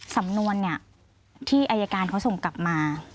สำนวนเนี่ยที่อายการเขาส่งกลับมา